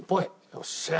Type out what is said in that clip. よっしゃー！